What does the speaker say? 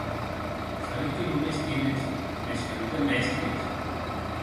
Sabi que non m'estimes, mès que non t'embèsties.